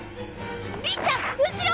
りんちゃん後ろ！